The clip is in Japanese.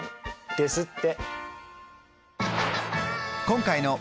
ですって。